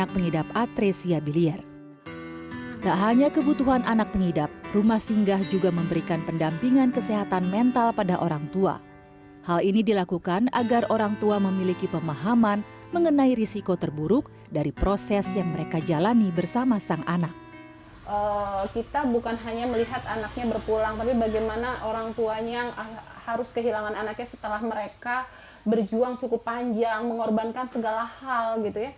kita bukan hanya melihat anaknya berpulang tapi bagaimana orang tuanya harus kehilangan anaknya setelah mereka berjuang cukup panjang mengorbankan segala hal